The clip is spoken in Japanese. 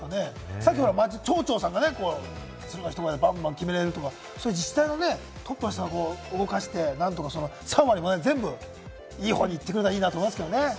さっきほら町長さんがね、鶴の一声でバンバン決めるとか、自治体のトップの人が動かして、何とか３割も全部いいほうにいってくれたらと思いますけどね。